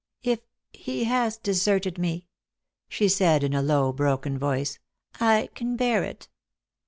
" If he has deserted me," she said in a low broken voice, " I can bear it."